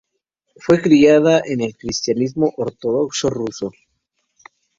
Fue criada en el cristianismo ortodoxo ruso.